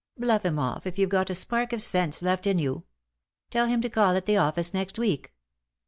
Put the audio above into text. Bluff him off, if you've got a spark of sense left in you. Tell him to call at the office next week."